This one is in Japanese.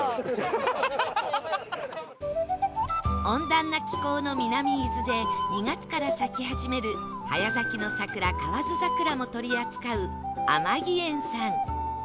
温暖な気候の南伊豆で２月から咲き始める早咲きの桜河津桜も取り扱う天城園さん